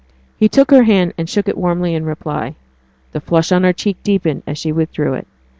He took her hand, and shook it warmly in reply. The flush on her cheek deepened as she withdrew it.